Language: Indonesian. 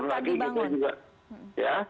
belum lagi gitu juga